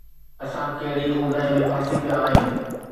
اسان ڪهڙي اونداهي ۾ ڦاسي پيا آهيون؟